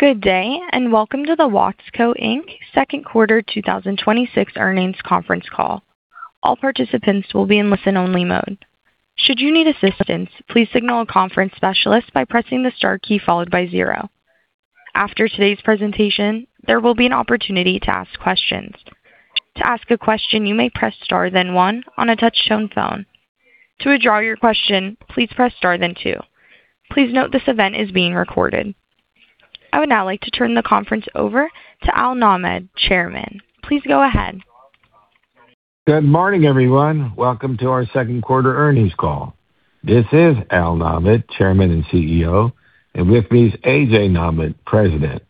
Good day, and welcome to the Watsco, Inc. second quarter 2026 earnings conference call. All participants will be in listen-only mode. Should you need assistance, please signal a conference specialist by pressing the star key followed by zero. After today's presentation, there will be an opportunity to ask questions. To ask a question, you may press star then one on a touch-tone phone. To withdraw your question, please press star then two. Please note this event is being recorded. I would now like to turn the conference over to Al Nahmad, Chairman. Please go ahead. Good morning, everyone. Welcome to our second quarter earnings call. This is Al Nahmad, Chairman and CEO, and with me is A.J. Nahmad, President,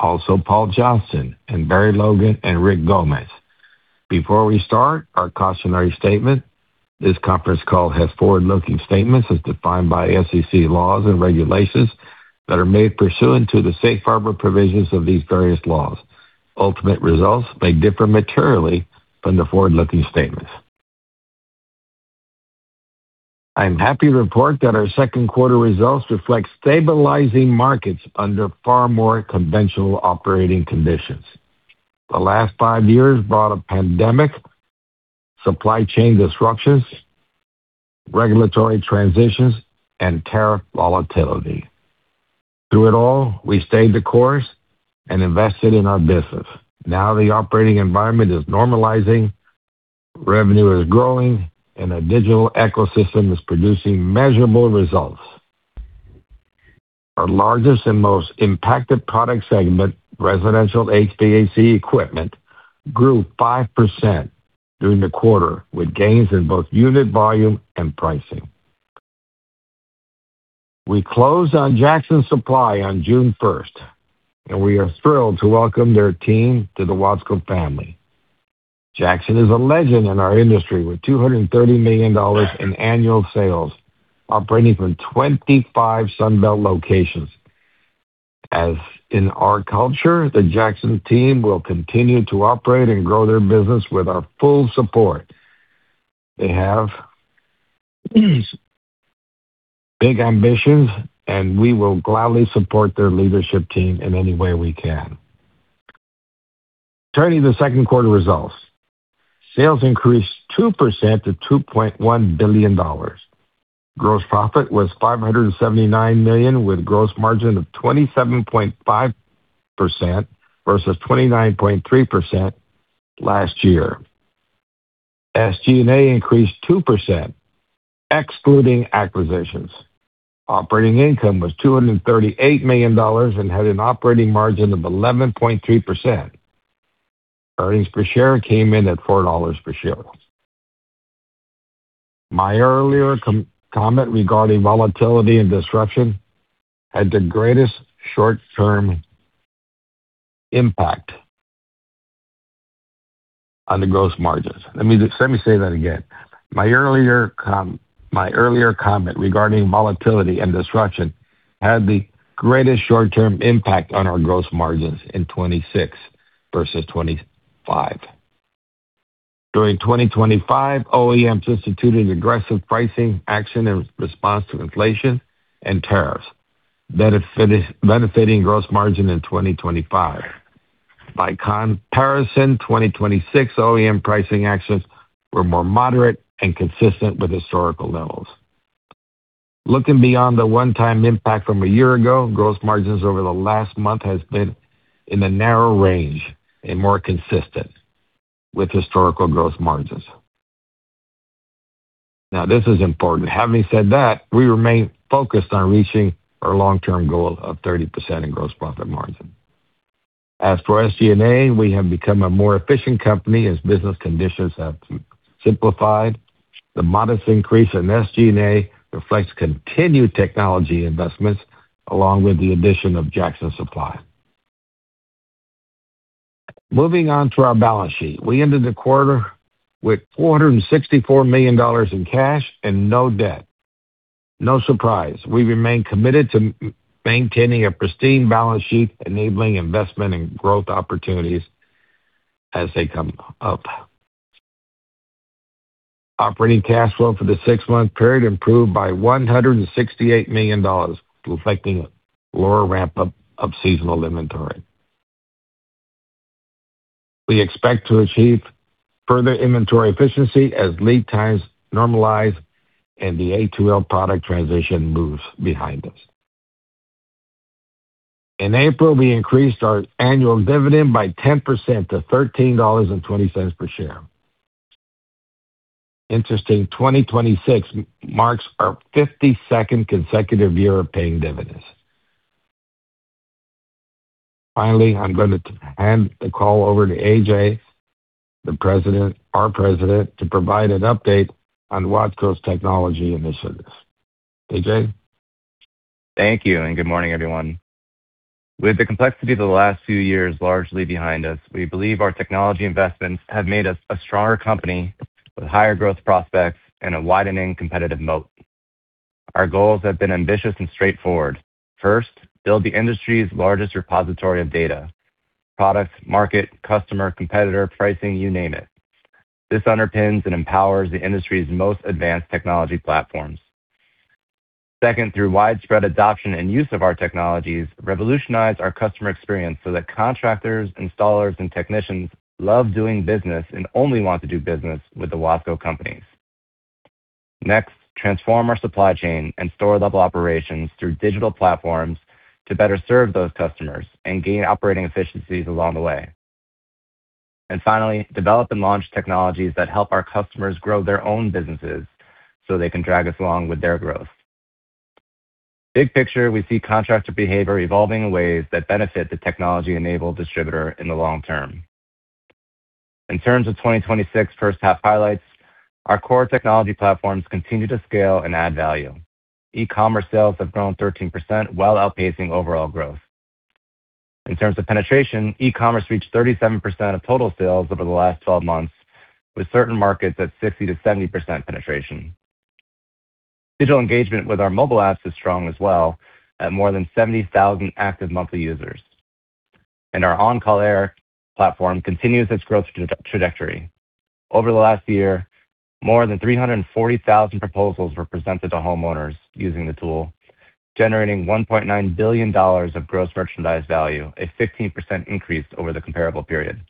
also Paul Johnston and Barry Logan and Rick Gomez. Before we start, our cautionary statement. This conference call has forward-looking statements as defined by SEC laws and regulations that are made pursuant to the safe harbor provisions of these various laws. Ultimate results may differ materially from the forward-looking statements. I am happy to report that our second quarter results reflect stabilizing markets under far more conventional operating conditions. The last five years brought a pandemic, supply chain disruptions, regulatory transitions, and tariff volatility. Through it all, we stayed the course and invested in our business. Now the operating environment is normalizing, revenue is growing, and a digital ecosystem is producing measurable results. Our largest and most impacted product segment, residential HVAC equipment, grew 5% during the quarter, with gains in both unit volume and pricing. We closed on Jackson Supply on June 1st, and weare thrilled to welcome their team to the Watsco family. Jackson is a legend in our industry, with $230 million in annual sales, operating from 25 Sunbelt locations. As in our culture, the Jackson team will continue to operate and grow their business with our full support. They have big ambitions, and we will gladly support their leadership team in any way we can. Turning to the second quarter results. Sales increased 2% to $2.1 billion. Gross profit was $579 million, with a gross margin of 27.5% versus 29.3% last year. SG&A increased 2%, excluding acquisitions. Operating income was $238 million and had an operating margin of 11.3%. Earnings per sharecame in at $4 per share. My earlier comment regarding volatility and disruption had the greatest short-term impact on the gross margins. Let me say that again. My earlier comment regarding volatility and disruption had the greatest short-term impact on our gross margins in 2026 versus 2025. During 2025, OEMs instituted aggressive pricing action in response to inflation and tariffs, benefiting gross margin in 2025. By comparison, 2026 OEM pricing actions were more moderate and consistent with historical levels. Looking beyond theone-time impact from a year ago, gross margins over the last month has been in a narrow range and more consistent with historical gross margins. Now, this is important. Having said that, we remain focused on reaching our long-term goal of 30% in gross profit margin. As for SG&A, we have become a more efficient company as business conditions have simplified. The modest increase in SG&A reflects continued technology investments along with the addition of Jackson Supply. Moving on to our balance sheet. We ended the quarter with $464 million in cash and no debt. No surprise. We remain committed to maintaining a pristine balance sheet, enabling investment and growth opportunities as they come up. Operating cash flow for the six-month period improved by $168 million, reflecting a lower ramp-up of seasonal inventory. We expect to achieve further inventory efficiency as lead times normalize and the A2L product transition moves behind us. In April, we increased our annual dividend by 10% to $13.20 per share. Interesting, 2026 marks our 52nd consecutive year of paying dividends. Finally, I'm going to hand the call over to A.J., our President, to provide an update on Watsco's technology initiatives. A.J.? Thank you, and good morning, everyone. With the complexity of the last few years largely behind us, we believe our technology investments have made us a stronger company with higher growth prospects and a widening competitive moat. Our goals have been ambitious and straightforward. First, build the industry's largest repository of data, products, market, customer, competitor, pricing, you name it. This underpins and empowers the industry's most advanced technology platforms. Second, through widespread adoption and use of our technologies, revolutionize our customer experience so that contractors, installers, and technicians love doing business and only want to do business with the Watsco companies. Next, transform our supply chain and store-level operations through digital platforms to better serve those customers and gain operating efficiencies along the way. Finally, develop and launch technologies that help our customers grow their own businesses so they can drag us along with their growth. Big picture, we see contractor behavior evolving in ways that benefit the technology-enabled distributor in the long term. In terms of 2026 first half highlights, our core technology platforms continue to scale and add value. E-commerce sales have grown 13% while outpacing overall growth. In terms of penetration, e-commerce reached 37% of total sales over the last 12 months, with certain markets at 60%-70% penetration. Digital engagement with our mobile apps is strong as well, at more than 70,000 active monthly users. Our OnCall Air platform continues its growth trajectory. Over the last year, more than 340,000 proposals were presented to homeowners using the tool, generating $1.9 billion of gross merchandise value, a 15% increase over the comparable period.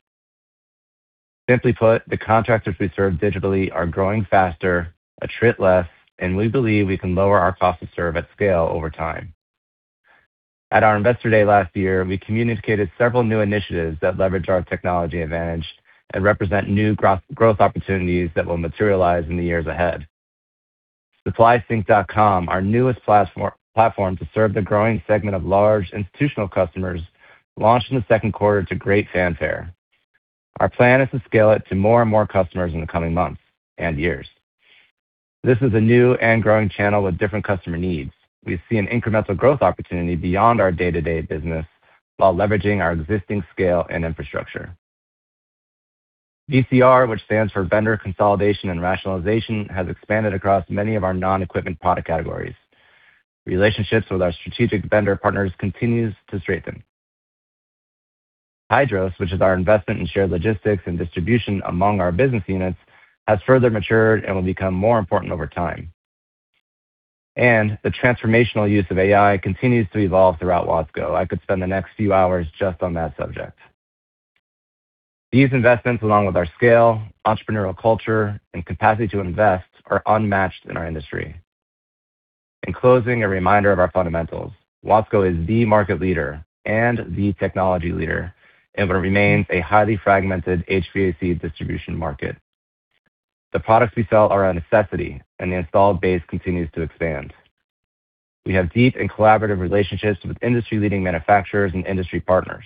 Simply put, the contractors we serve digitally are growing faster, attrit less, and we believe we can lower our cost to serve at scale over time. At our Investor Day last year, we communicated several new initiatives that leverage our technology advantage and represent new growth opportunities that will materialize in the years ahead. SupplySync.com, our newest platform to serve the growing segment of large institutional customers, launched in the second quarter to great fanfare. Our plan is to scale it to more and more customers in the coming months and years. This is a new and growing channel with different customer needs. We see an incremental growth opportunity beyond our day-to-day business while leveraging our existing scale and infrastructure. VCR, which stands for Vendor Consolidation and Rationalization, has expanded across many of our non-equipment product categories. Relationships with our strategic vendor partners continues to strengthen. Hydros, which is our investment in shared logistics and distribution among our business units, has further matured and will become more important over time. The transformational use of AI continues to evolve throughout Watsco. I could spend the next few hours just on that subject. These investments, along with our scale, entrepreneurial culture, and capacity to invest, are unmatched in our industry. In closing, a reminder of our fundamentals. Watsco is the market leader and the technology leader in what remains a highly fragmented HVAC distribution market. The products we sell are a necessity, and the installed base continues to expand. We have deep and collaborative relationships with industry-leading manufacturers and industry partners.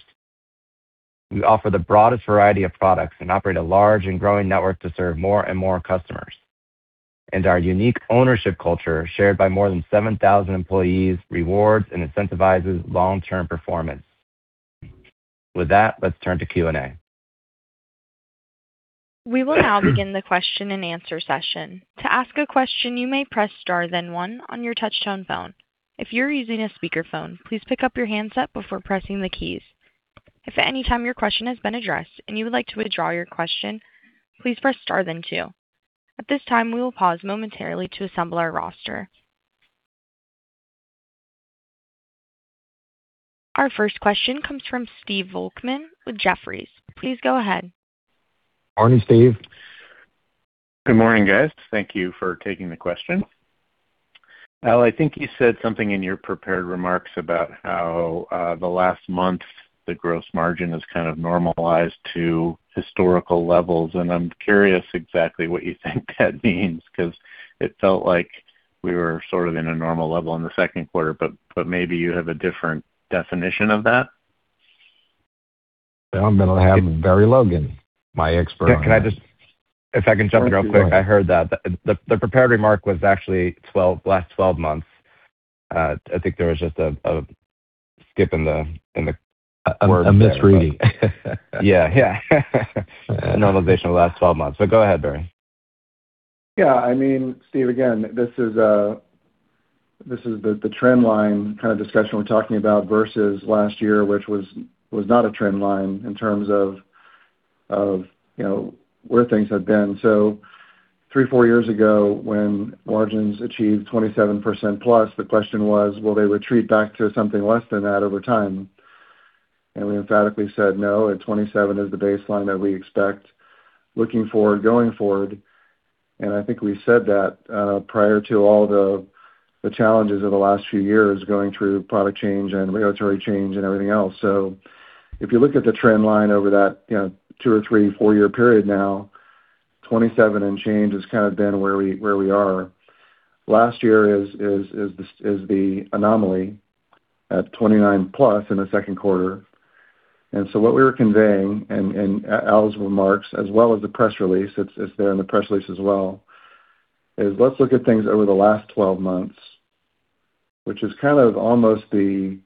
We offer the broadest variety of products and operate a large and growing network to serve more and more customers. Our unique ownership culture, shared by more than 7,000 employees, rewards and incentivizes long-term performance. With that, let's turn to Q&A. We will now begin the question-and-answer session. To ask a question, you may press star then one on your touchtone phone. If you're using a speakerphone, please pick up your handset before pressing the keys. If at any time your question has been addressed and you would like to withdraw your question, please press star then two. At this time, we will pause momentarily to assemble our roster. Our first question comes from Stephen Volkmann with Jefferies. Please go ahead. Morning, Steve. Good morning, guys. Thank you for taking the question. Al, I think you said something in your prepared remarks about how the last month, the gross margin has kind of normalized to historical levels. I'm curious exactly what you think that means, because it felt like we were sort of in a normal level in the second quarter. Maybe you have a different definition of that? Well, I'm going to have Barry Logan, my expert, on that. If I can jump in real quick. I heard that. The prepared remark was actually last 12 months. I think there was just a skip in the words there. A misreading. Yeah. A normalization the last 12 months. Go ahead, Barry. Yeah, Steve, again, this is the trend line kind of discussion we're talking about versus last year, which was not a trend line in terms of where things have been. Three, four years ago, when margins achieved 27%+, the question was: Will they retreat back to something less than that over time? I emphatically said, "No, at 27 is the baseline that we expect looking forward, going forward." I think we said that prior to all the challenges of the last few years, going through product change and regulatory change and everything else. If you look at the trend line over that two or three, four-year period now, 27 and change has kind of been where we are. Last year is the anomaly at 29+ in the second quarter. What we were conveying in Al's remarks as well as the press release, it's there in the press release as well, is let's look at things over the last 12 months, which is kind of almost the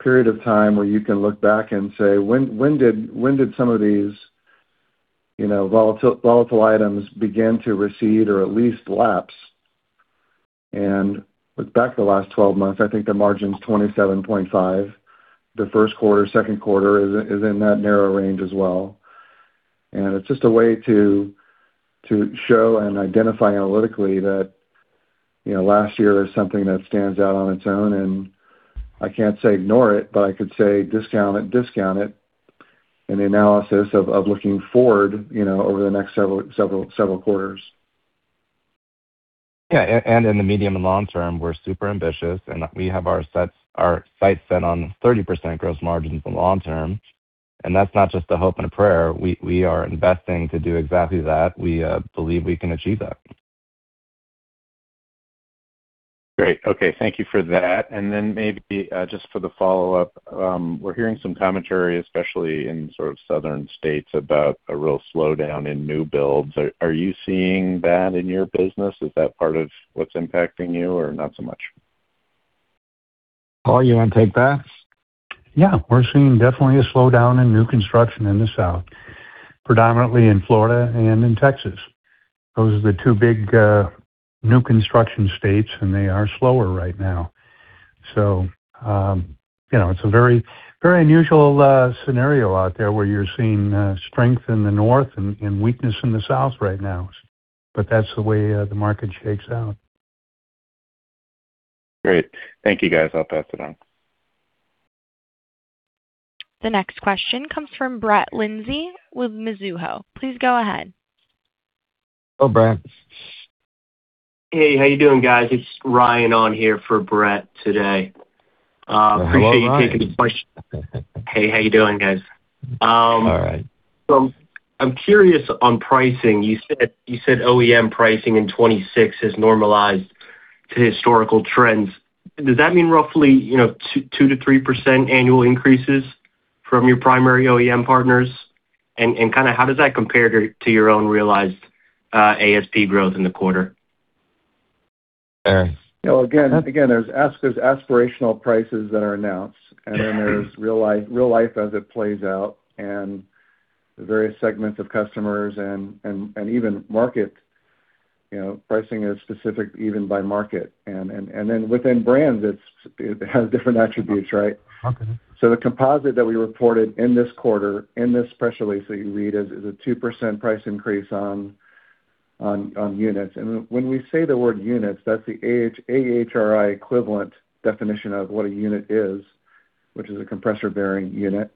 period of time where you can look back and say, "When did some of these volatile items begin to recede or at least lapse?" Look back the last 12 months, I think the margin's 27.5. The first quarter, second quarter is in that narrow range as well. It's just a way to show and identify analytically that last year is something that stands out on its own, and I can't say ignore it, but I could say discount it in the analysis of looking forward over the next several quarters. Yeah, in the medium and long-term, we're super ambitious, and we have our sights set on 30% gross margins in the long term. That's not just a hope and a prayer. We are investing to do exactly that. We believe we can achieve that. Great. Okay. Thank you for that. Maybe just for the follow-up, we're hearing some commentary, especially in southern states about a real slowdown in new builds. Are you seeing that in your business? Is that part of what's impacting you or not so much? Paul, you want to take that? Yeah. We're seeing definitely a slowdown in new construction in the South, predominantly in Florida and in Texas. Those are the two big new construction states, and they are slower right now. It's a very unusual scenario out there where you're seeing strength in the North and weakness in the South right now. That's the way the market shakes out. Great. Thank you, guys. I'll pass it on. The next question comes from Brett Linzey with Mizuho. Please go ahead. Hello, Brett. Hey, how you doing, guys? It's Ryan on here for Brett today. Hello, Ryan. Hey, how you doing, guys? All right. I'm curious on pricing. You said OEM pricing in 2026 has normalized to historical trends. Does that mean roughly 2%-3% annual increases from your primary OEM partners? And how does that compare to your own realized ASP growth in the quarter? Barry. Again, there's aspirational prices that are announced, there's real life as it plays out and the various segments of customers and even market. Pricing is specific even by market. Within brands, it has different attributes, right? Okay. The composite that we reported in this quarter, in this press release that you read, is a 2% price increase on units. When we say the word units, that's the AHRI equivalent definition of what a unit is, which is a compressor-bearing unit.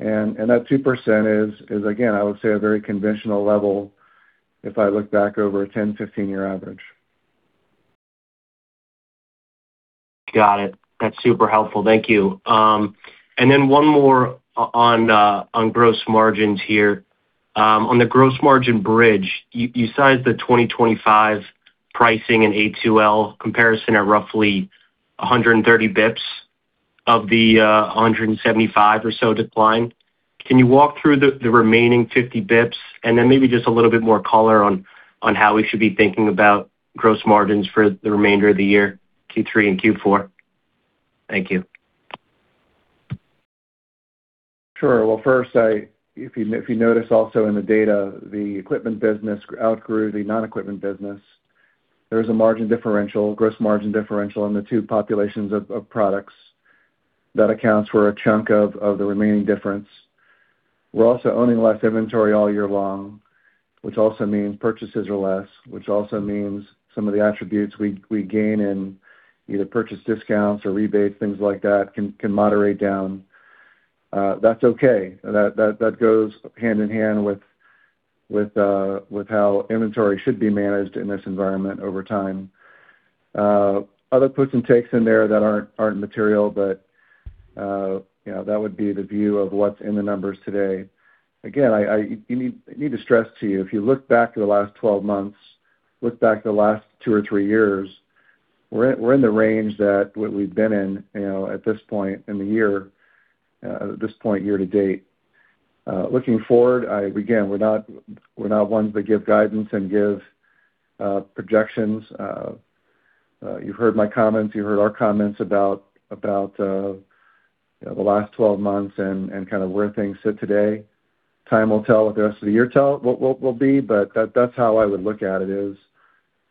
That 2% is, again, I would say a very conventional level if I look back over a 10-15 year average. Got it. That's super helpful. Thank you. One more on gross margins here. On the gross margin bridge, you sized the 2025 pricing and A2L comparison at roughly 130 basis points of the 175 or so decline. Can you walk through the remaining 50 basis points and then maybe just a little bit more color on how we should be thinking about gross margins for the remainder of the year, Q3 and Q4? Thank you. Sure. First, if you notice also in the data, the equipment business outgrew the non-equipment business. There is a margin differential, gross margin differential on the two populations of products. That accounts for a chunk of the remaining difference. We're also owning less inventory all year long, which also means purchases are less, which also means some of the attributes we gain in either purchase discounts or rebates, things like that, can moderate down. That's okay. That goes hand in hand with how inventory should be managed in this environment over time. Other puts and takes in there that aren't material, that would be the view of what's in the numbers today. Again, I need to stress to you, if you look back to the last 12 months, look back to the last two or three years, we're in the range that what we've been in at this point in the year, at this point year to date. Looking forward, again, we're not ones that give guidance and give projections. You've heard my comments, you've heard our comments about the last 12 months and where things sit today. Time will tell what the rest of the year will be, that's how I would look at it is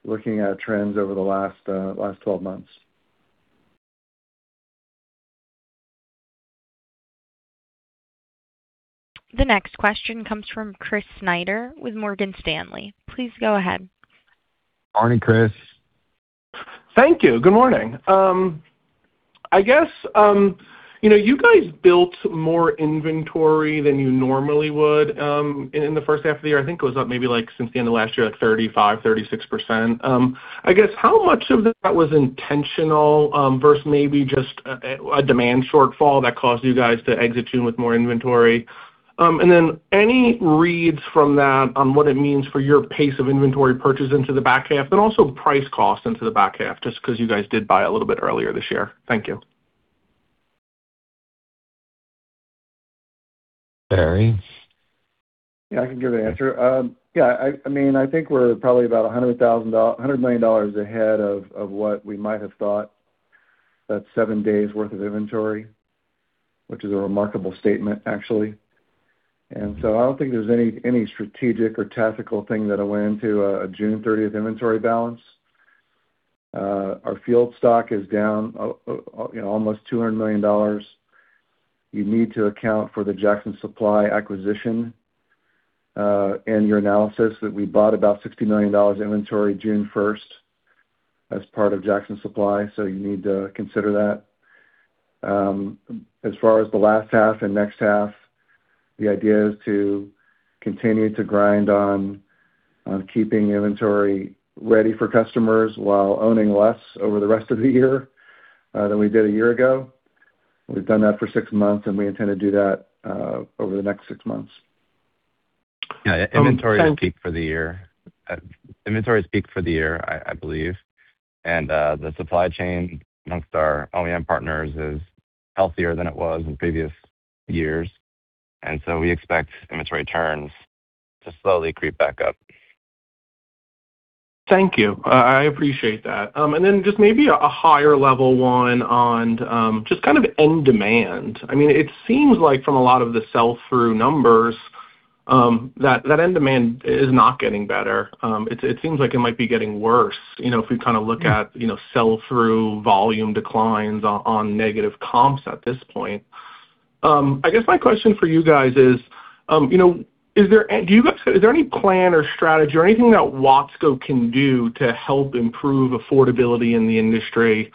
looking at trends over the last 12 months. The next question comes from Chris Snyder with Morgan Stanley. Please go ahead. Morning, Chris. Thank you. Good morning. I guess you guys built more inventory than you normally would in the first half of the year. I think it was up maybe since the end of last year, like 35, 36%. I guess how much of that was intentional versus maybe just a demand shortfall that caused you guys to exit June with more inventory? Any reads from that on what it means for your pace of inventory purchase into the back half, but also price cost into the back half, just because you guys did buy a little bit earlier this year. Thank you. Barry? Yeah, I can give the answer. I think we're probably about $100 million ahead of what we might have thought. That's seven days worth of inventory. Which is a remarkable statement, actually. I don't think there's any strategic or tactical thing that I went into a June 30th inventory balance. Our field stock is down almost $200 million. You need to account for the Jackson Supply acquisition, and your analysis that we bought about $60 million inventory June 1st as part of Jackson Supply, so you need to consider that. As far as the last half and next half, the idea is to continue to grind on keeping inventory ready for customers while owning less over the rest of the year than we did a year ago. We've done that for six months, and we intend to do that over the next six months. Yeah, inventory is peak for the year, I believe. The supply chain amongst our OEM partners is healthier than it was in previous years, and so we expect inventory turns to slowly creep back up. Thank you. I appreciate that. Just maybe a higher level one on just kind of end demand. It seems like from a lot of the sell-through numbers, that end demand is not getting better. It seems like it might be getting worse. If we look at sell-through volume declines on negative comps at this point. I guess my question for you guys is there any plan or strategy or anything that Watsco can do to help improve affordability in the industry?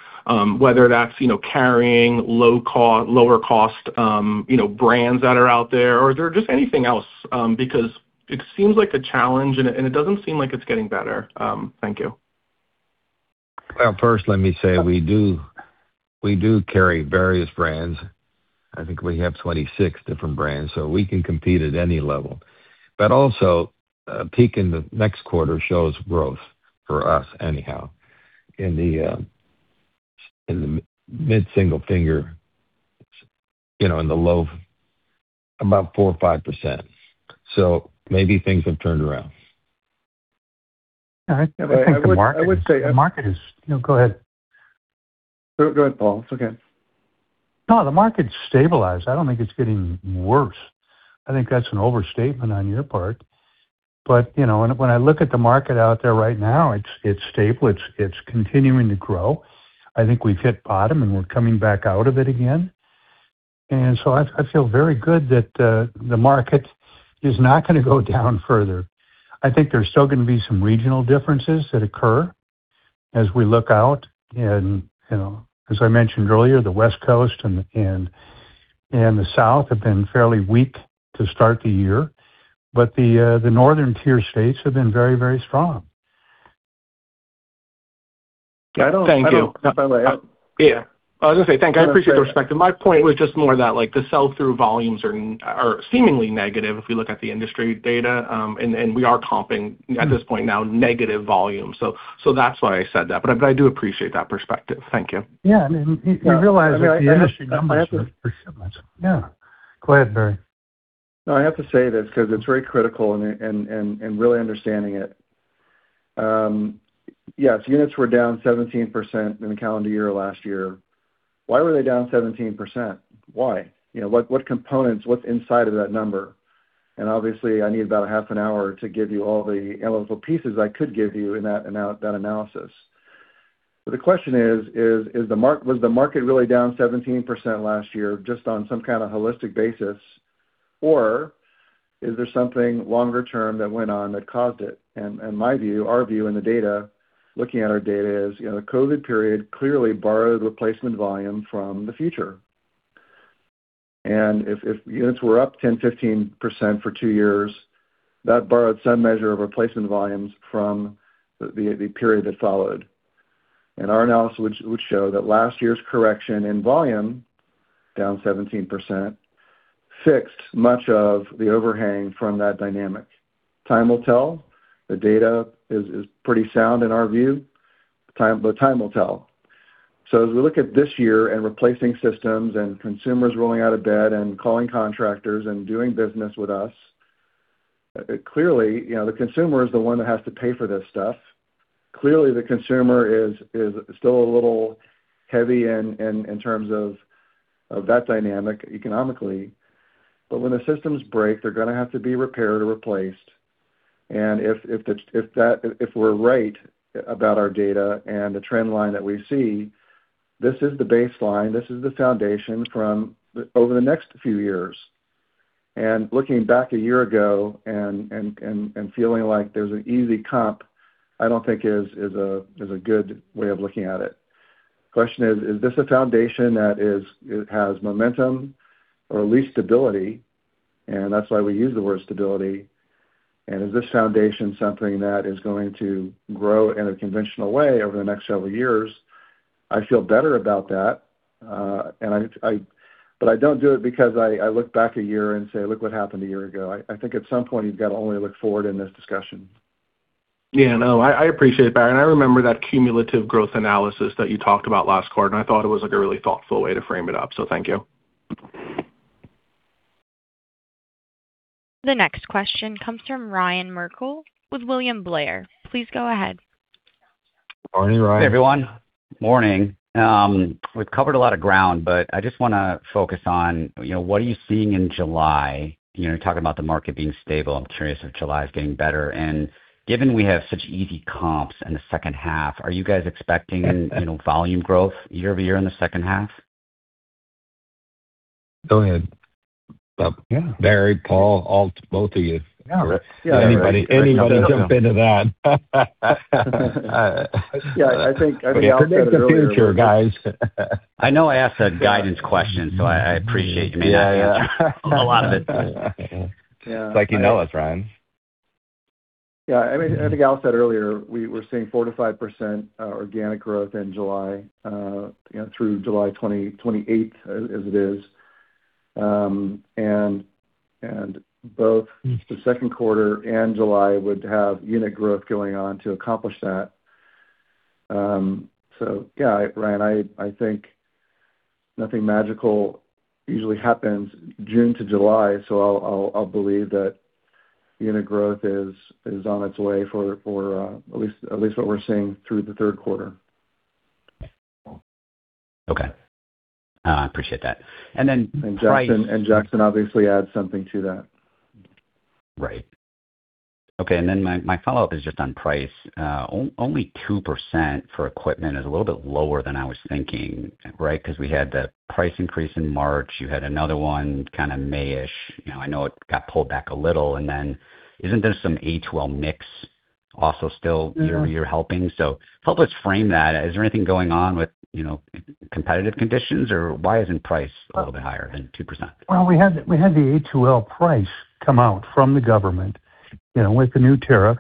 Whether that's carrying lower cost brands that are out there? Just anything else, because it seems like a challenge, and it doesn't seem like it's getting better. Thank you. Well, first, let me say we do carry various brands. I think we have 26 different brands, so we can compete at any level. Also, peak in the next quarter shows growth for us anyhow, in the mid-single figures, in the low, about 4% or 5%. Maybe things have turned around. No, go ahead. Go ahead, Paul. It's okay. No, the market's stabilized. I don't think it's getting worse. I think that's an overstatement on your part. When I look at the market out there right now, it's stable. It's continuing to grow. I think we've hit bottom, and we're coming back out of it again. I feel very good that the market is not going to go down further. I think there's still going to be some regional differences that occur as we look out. As I mentioned earlier, the West Coast and the South have been fairly weak to start the year. The Northern tier states have been very, very strong. I don't Thank you. Yeah. I was going to say, thank you. I appreciate the perspective. My point was just more that the sell-through volumes are seemingly negative if we look at the industry data, and we are comping at this point now, negative volume. That's why I said that, I do appreciate that perspective. Thank you. Yeah. We realize that the industry numbers are pretty similar. Yeah. Go ahead, Barry. No, I have to say this because it's very critical and really understanding it. Yes, units were down 17% in the calendar year last year. Why were they down 17%? Why? What components? What's inside of that number? Obviously, I need about a half an hour to give you all the analytical pieces I could give you in that analysis. The question is, was the market really down 17% last year just on some kind of holistic basis, or is there something longer term that went on that caused it? My view, our view in the data, looking at our data is, the COVID period clearly borrowed replacement volume from the future. If units were up 10, 15% for two years, that borrowed some measure of replacement volumes from the period that followed. Our analysis would show that last year's correction in volume, down 17%, fixed much of the overhang from that dynamic. Time will tell. The data is pretty sound in our view, but time will tell. As we look at this year and replacing systems and consumers rolling out of bed and calling contractors and doing business with us, clearly, the consumer is the one that has to pay for this stuff. Clearly, the consumer is still a little heavy in terms of that dynamic economically. When the systems break, they're going to have to be repaired or replaced. If we're right about our data and the trend line that we see, this is the baseline, this is the foundation from over the next few years. Looking back a year ago and feeling like there's an easy comp, I don't think is a good way of looking at it. Question is this a foundation that has momentum or at least stability? That's why we use the word stability. Is this foundation something that is going to grow in a conventional way over the next several years? I feel better about that. I don't do it because I look back a year and say, "Look what happened a year ago." I think at some point, you've got to only look forward in this discussion. Yeah. No, I appreciate it, Barry. I remember that cumulative growth analysis that you talked about last quarter, and I thought it was a really thoughtful way to frame it up. Thank you. The next question comes from Ryan Merkel with William Blair. Please go ahead. Morning, Ryan. Hey, everyone. Morning. We've covered a lot of ground, I just want to focus on what are you seeing in July? You're talking about the market being stable. I'm curious if July is getting better. Given we have such easy comps in the second half, are you guys expecting volume growth year-over-year in the second half? Go ahead. Barry, Paul, both of you. Yeah. Anybody jump into that. Yeah, I think Al said earlier. We predict the future, guys. I know I asked a guidance question. I appreciate you may not answer a lot of it. It's like you know us, Ryan. Yeah. I think Al said earlier, we're seeing 4%-5% organic growth in July, through July 28th, as it is. Both the second quarter and July would have unit growth going on to accomplish that. Yeah, Ryan, I think nothing magical usually happens June to July, so I'll believe that unit growth is on its way for at least what we're seeing through the third quarter. Okay. I appreciate that. Then price- Jackson obviously adds something to that. Right. Okay. My follow-up is just on price. Only 2% for equipment is a little bit lower than I was thinking, right? Because we had the price increase in March. You had anotherone kind of May-ish. I know it got pulled back a little. Isn't there some A2L mix also still year-over-year helping? Help us frame that. Is there anything going on with competitive conditions, or why isn't price a little bit higher than 2%? Well, we had the A2L price come out from the government with the new tariff,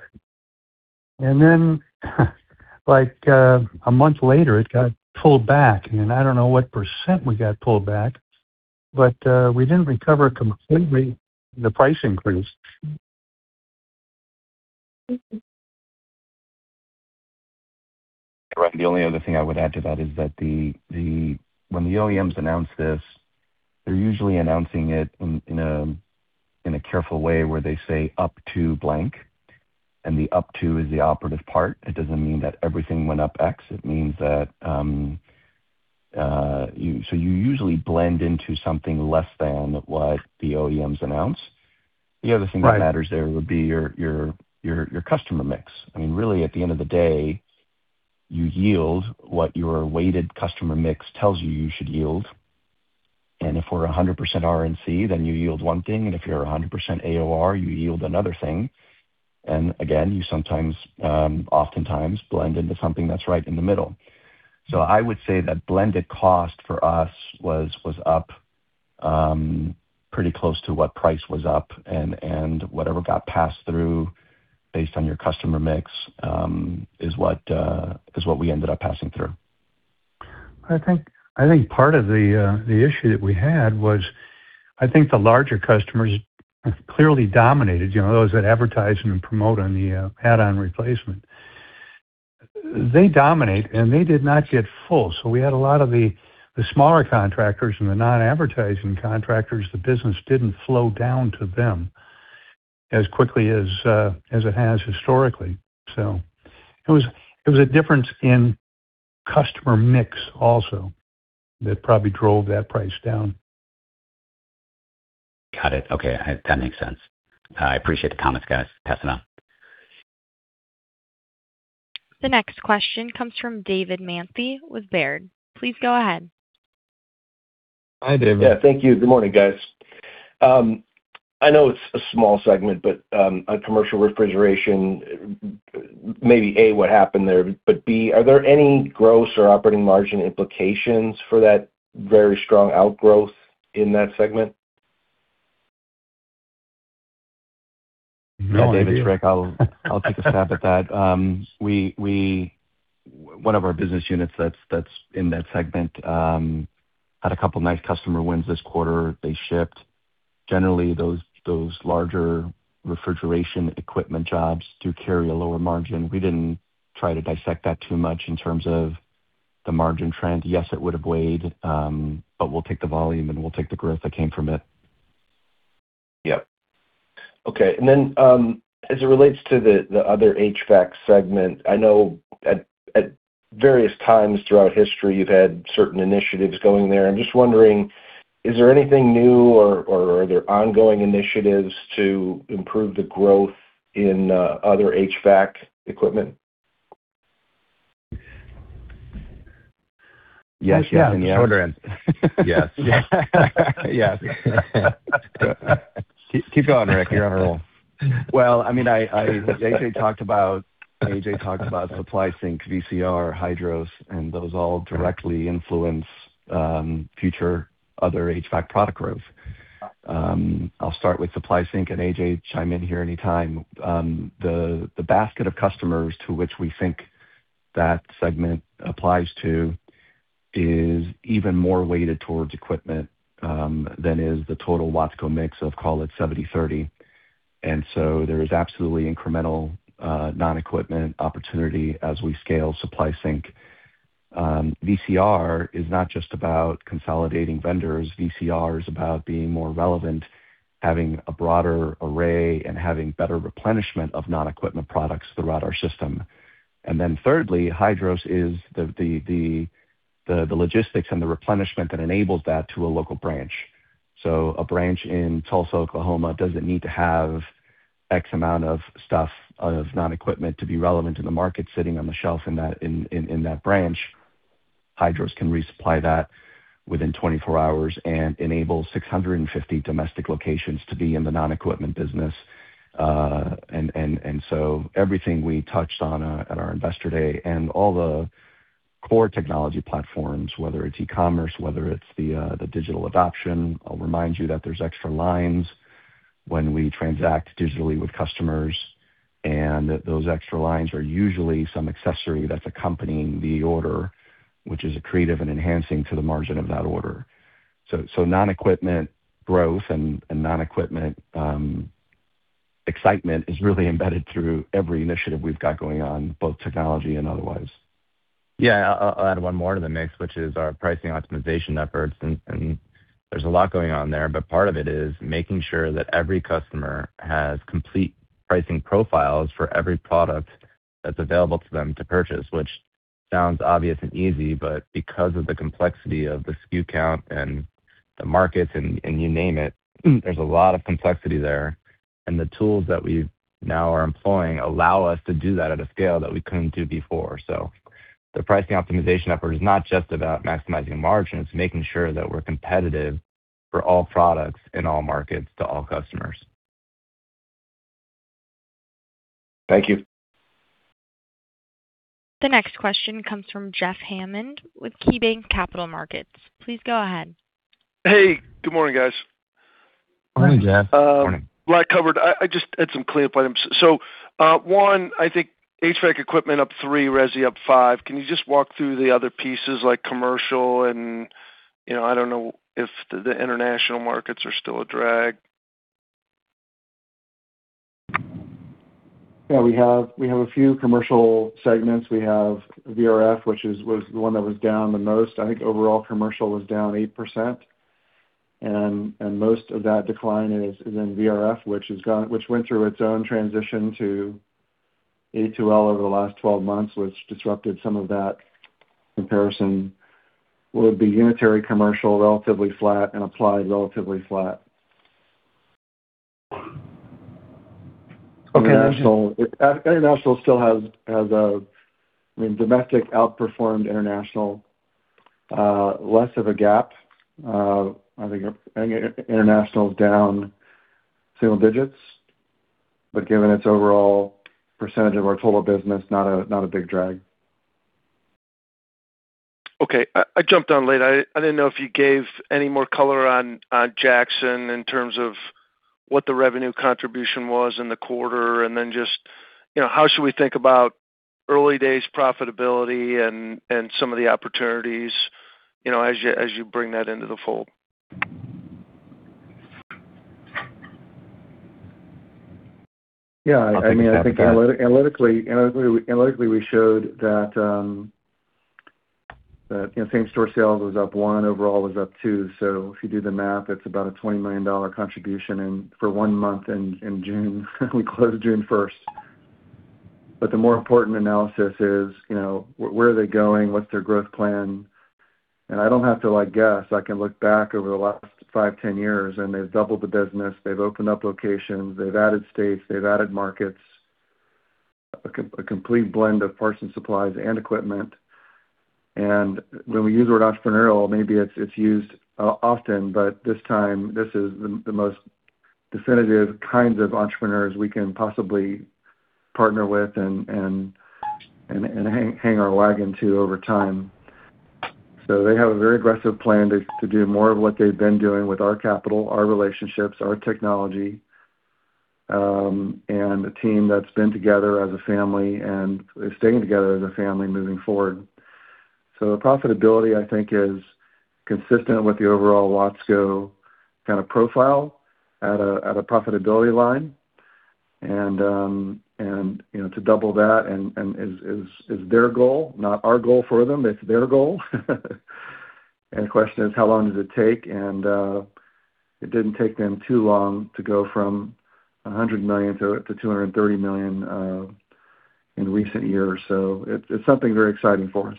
a month later, it got pulled back, I don't know what % we got pulled back, but we didn't recover completely the price increase. Ryan, the only other thing I would add to that is that when the OEMs announce this, they're usually announcing it in a careful way where they say up to blank, the up to is the operative part. It doesn't mean that everything went up X. You usually blend into something less than what the OEMs announce. Right. The other thing that matters there would be your customer mix. Really, at the end of the day, you yield what your weighted customer mix tells you you should yield. If we're 100% R&C, you yield one thing, if you're 100% AOR, you yield another thing. Again, you sometimes, oftentimes blend into something that's right in the middle. I would say that blended cost for us was up pretty close to what price was up and whatever got passed through based on your customer mix is what we ended up passing through. I think part of the issue that we had was I think the larger customers clearly dominated. Those that advertise and promote on the add-on replacement. They dominate, and they did not get full. We had a lot of the smaller contractors and the non-advertising contractors, the business didn't flow down to them as quickly as it has historically. It was a difference in customer mix also that probably drove that price down. Got it. Okay. That makes sense. I appreciate the comments, guys. Passing on. The next question comes from David Manthey with Baird. Please go ahead. Hi, David. Yeah, thank you. Good morning, guys. I know it's a small segment, but on commercial refrigeration, maybe, A, what happened there, but B, are there any gross or operating margin implications for that very strong outgrowth in that segment? No idea. Yeah, David, Rick, I'll take a stab at that. One of our business units that's in that segment had a couple of nice customer wins this quarter. They shipped. Generally, those larger refrigeration equipment jobs do carry a lower margin. We didn't try to dissect that too much in terms of the margin trend. Yes, it would have weighed, but we'll take the volume, and we'll take the growth that came from it. Yep. Okay. As it relates to the other HVAC segment, I know at various times throughout history you've had certain initiatives going there. I'm just wondering, is there anything new or are there ongoing initiatives to improve the growth in other HVAC equipment? Yes. Yeah. Yes. Sure do. Yes. Yes. Keep going, Rick. You're on a roll. Well, AJ talked about SupplySync, VCR, Hydros, and those all directly influence future other HVAC product growth. I'll start with SupplySync, and AJ chime in here anytime. The basket of customers to which we think that segment applies to is even more weighted towards equipment than is the total Watsco mix of, call it, 70/30. There is absolutely incremental non-equipment opportunity as we scale SupplySync. VCR is not just about consolidating vendors. VCR is about being more relevant, having a broader array, and having better replenishment of non-equipment products throughout our system. Thirdly, Hydros is the logistics and the replenishment that enables that to a local branch. A branch in Tulsa, Oklahoma, doesn't need to have X amount of stuff of non-equipment to be relevant in the market sitting on the shelf in that branch. Hydros can resupply that within 24 hours and enable 650 domestic locations to be in the non-equipment business. Everything we touched on at our Investor Day and all the core technology platforms, whether it's e-commerce, whether it's the digital adoption, I'll remind you that there's extra lines when we transact digitally with customers, and those extra lines are usually some accessory that's accompanying the order, which is accretive and enhancing to the margin of that order. Non-equipment growth and non-equipment excitement is really embedded through every initiative we've got going on, both technology and otherwise. Yeah. I'll add one more to the mix, which is our pricing optimization efforts, and there's a lot going on there. Part of it is making sure that every customer has complete pricing profiles for every product that's available to them to purchase, which sounds obvious and easy, but because of the complexity of the SKU count and the markets and you name it, there's a lot of complexity there. The tools that we now are employing allow us to do that at a scale that we couldn't do before. The pricing optimization effort is not just about maximizing margin, it's making sure that we're competitive for all products in all markets to all customers. Thank you. The next question comes from Jeff Hammond with KeyBanc Capital Markets. Please go ahead. Hey, good morning, guys. Morning, Jeff. Morning. Lot covered. I just had some cleanup items. One, I think HVAC equipment up three, resi up five. Can you just walk through the other pieces like commercial and, I don't know if the international markets are still a drag. Yeah, we have a few commercial segments. We have VRF, which was the one that was down the most. I think overall commercial was down 8%, and most of that decline is in VRF, which went through its own transition to A2L over the last 12 months, which disrupted some of that comparison. Would be unitary commercial, relatively flat and applied relatively flat. Okay. International still has I mean, domestic outperformed international, less of a gap. I think international's down single-digits. Given its overall percentage of our total business, not a big drag. Okay. I jumped on late. I didn't know if you gave any more color on Jackson in terms of what the revenue contribution was in the quarter. Just how should we think about early days profitability and some of the opportunities as you bring that into the fold? Yeah, I think analytically we showed that same store sales was up one, overall was up two. If you do the math, it's about a $20 million contribution for one month in June we closed June 1st. The more important analysis is where are they going, what's their growth plan? I don't have to guess, I can look back over the last five, 10 years, and they've doubled the business. They've opened up locations, they've added states, they've added markets, a complete blend of parts and supplies and equipment. When we use the word entrepreneurial, maybe it's used often, but this time, this is the most definitive kinds of entrepreneurs we can possibly partner with and hang our wagon to over time. They have a very aggressive plan to do more of what they've been doing with our capital, our relationships, our technology, and a team that's been together as a family and is staying together as a family moving forward. The profitability, I think, is consistent with the overall Watsco kind of profile at a profitability line. To double that is their goal, not our goal for them. It's their goal. The question is, how long does it take? It didn't take them too long to go from $100 million-$230 million in recent years. It's something very exciting for us.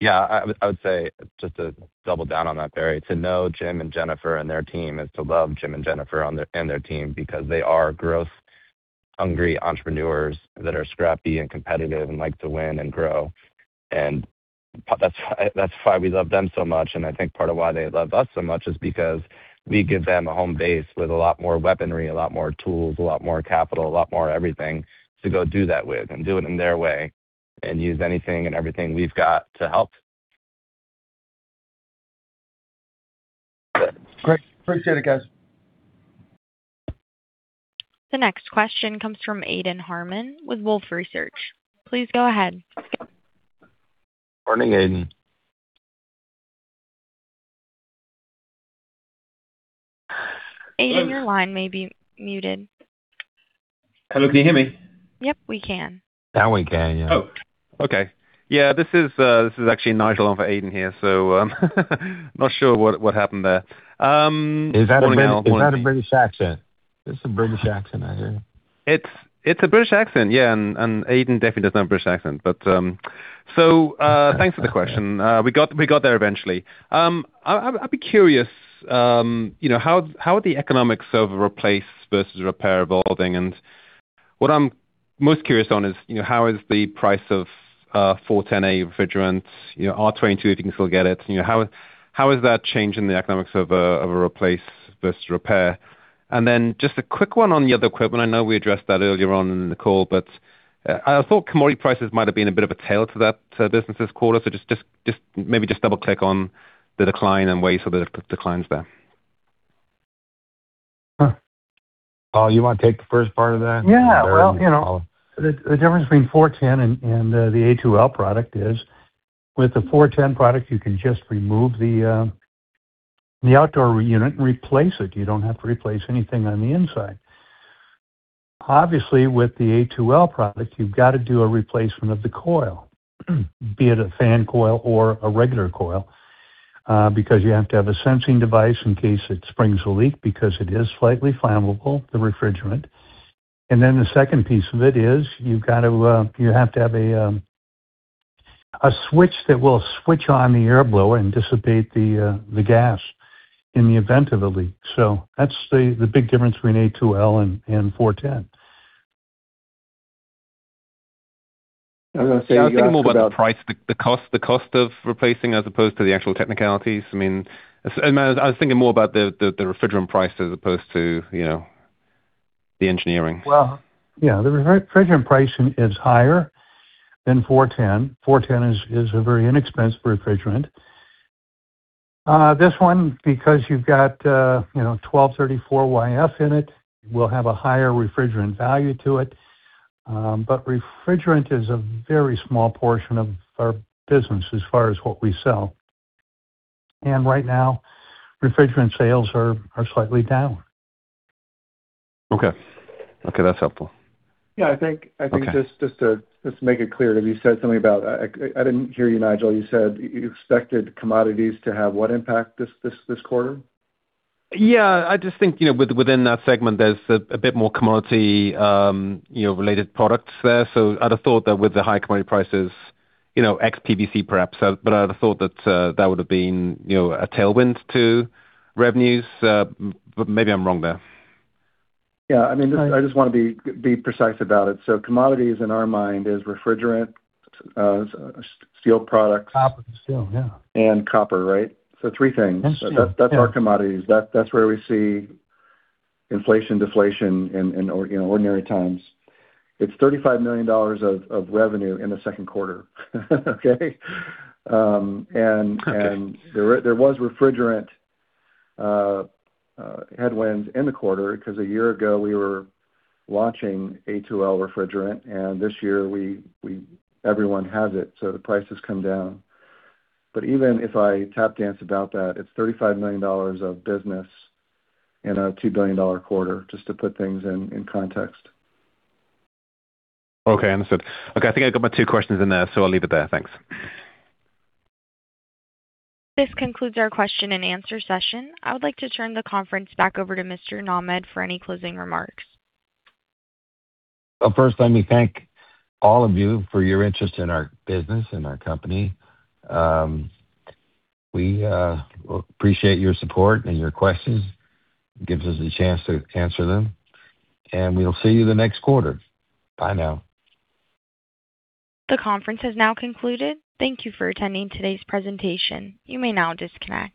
Yeah. I would say just to double down on that, Barry, to know Jim and Jennifer and their team is to love Jim and Jennifer and their team because they are growth-hungry entrepreneurs that are scrappy and competitive and like to win and grow. That's why we love them so much, and I think part of why they love us so much is because we give them a home base with a lot more weaponry, a lot more tools, a lot more capital, a lot more everything to go do that with and do it in their way and use anything and everything we've got to help. Great. Appreciate it, guys. The next question comes from Aidan Harmon with Wolfe Research. Please go ahead. Morning, Aidan. Aidan, your line may be muted. Hello, can you hear me? Yep, we can. Now we can, yeah. Oh, okay. Yeah, this is actually Nigel on for Aidan here. Not sure what happened there. Is that a British accent? There's some British accent I hear. It's a British accent, yeah. Aidan definitely does not have a British accent. Thanks for the question. We got there eventually. I'd be curious, how are the economics of a replace versus repair evolving, and what I'm most curious on is, how is the price of, 410A refrigerant, R22, if you can still get it. How is that changing the economics of a replace versus repair? Just a quick one on the other equipment. I know we addressed that earlier on in the call, but I thought commodity prices might've been a bit of a tail to that business this quarter. Just maybe double-click on the decline and why you saw the declines there. Paul, you want to take the first part of that? Yeah. Well, the difference between R-410A and the A2L product is with the R-410A product, you can just remove the outdoor unit and replace it. You don't have to replace anything on the inside. Obviously, with the A2L product, you've got to do a replacement of the coil, be it a fan coil or a regular coil, because you have to have a sensing device in case it springs a leak because it is slightly flammable, the refrigerant. Then the second piece of it is you have to have a switch that will switch on the air blower and dissipate the gas in the event of a leak. That's the big difference between A2L and R-410A. I was thinking more about the price, the cost of replacing as opposed to the actual technicalities. I was thinking more about the refrigerant price as opposed to the engineering. Well, yeah. The refrigerant pricing is higher than R-410A. R-410A is a very inexpensive refrigerant. This one, because you've got 1234YF in it, will have a higher refrigerant value to it. Refrigerant is a very small portion of our business as far as what we sell. Right now, refrigerant sales are slightly down. Okay. That's helpful. I think just to make it clear, because you said something about I didn't hear you, Nigel, you said you expected commodities to have what impact this quarter? I just think, within that segment, there's a bit more commodity related products there. I'd have thought that with the high commodity prices, ex PVC perhaps, but I'd have thought that that would've been a tailwind to revenues. Maybe I'm wrong there. I just want to be precise about it. Commodities in our mind is refrigerant, steel products. Copper to steel. copper, right? Three things. steel, yeah. That's our commodities. That's where we see inflation, deflation in ordinary times. It's $35 million of revenue in the second quarter. Okay? Okay. There was refrigerant headwinds in the quarter because a year ago we were launching A2L refrigerant, this year everyone has it, the price has come down. Even if I tap dance about that, it's $35 million of business in a $2 billion quarter, just to put things in context. Okay, understood. Okay, I think I got my two questions in there, so I'll leave it there. Thanks. This concludes our question-and-answer session. I would like to turn the conference back over to Mr. Nahmad for any closing remarks. Well, first let me thank all of you for your interest in our business and our company. We appreciate your support and your questions. It gives us a chance to answer them. We'll see you the next quarter. Bye now. The conference has now concluded. Thank you for attending today's presentation. You may now disconnect.